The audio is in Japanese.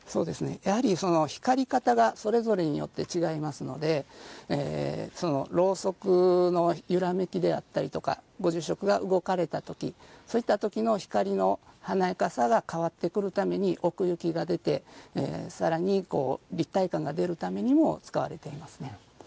やはり、光り方がそれぞれによって違いますのでろうそくのゆらめきであったりとかご住職が動かれた時そういった時の光の華やかさが変わってくるために奥行きが出てさらに立体感が出るためにも使われていますね。